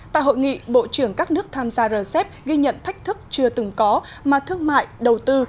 tại hội nghị bộ trưởng các nước tham gia rcep ghi nhận thách thức chưa từng có mà thương mại đầu tư